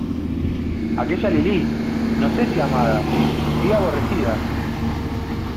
¡ aquella Lilí, no sé si amada , si aborrecida!